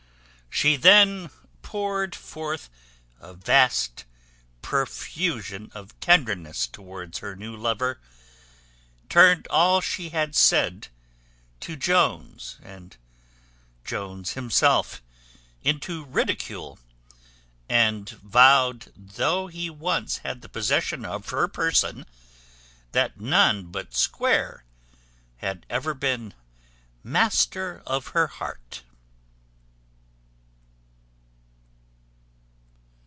She then poured forth a vast profusion of tenderness towards her new lover; turned all she had said to Jones, and Jones himself, into ridicule; and vowed, though he once had the possession of her person, that none but Square had ever been master of her heart.